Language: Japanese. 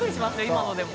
今のでも。